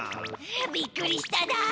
びっくりしただ。